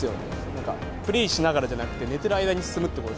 なんかプレーしながらじゃなくて、寝てる間に進むっていうのは。